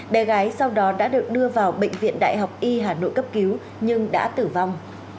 bé gái sau đó đã được đưa vào bệnh viện đại học y hà nội cấp cứu nhưng đã tử vong